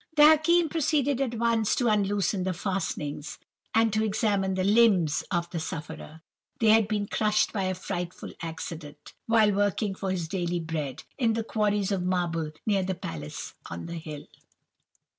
"The Hakim proceeded at once to unloosen the fastenings, and to examine the limbs of the sufferer. They had been crushed by a frightful accident, while working for his daily bread, in the quarries of marble near the palace on the hill.